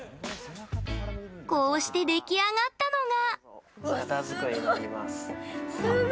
こうして出来上がったのが。